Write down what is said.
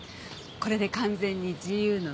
これで完全に自由の身です。